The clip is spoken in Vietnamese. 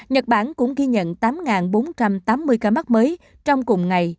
nhật bản cũng ghi nhận tám bốn trăm tám mươi ca mắc mới trong cùng ngày